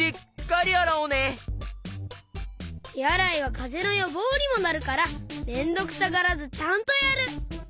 てあらいはかぜのよぼうにもなるからめんどくさがらずちゃんとやる！